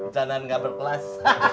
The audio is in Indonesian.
canaan gak berkelas